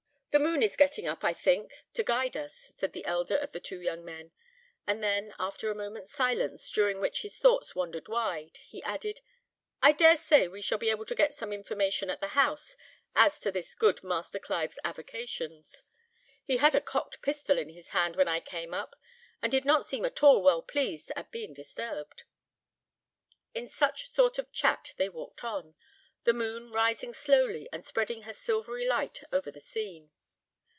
"The moon is getting up, I think, to guide us," said the elder of the two young men; and then, after a moment's silence, during which his thoughts wandered wide, he added, "I dare say we shall be able to get some information at the house as to this good Master Clive's avocations. He had a cocked pistol in his hand when I came up, and did not seem at all well pleased at being disturbed." In such sort of chat they walked on, the moon rising slowly, and spreading her silvery light over the scene.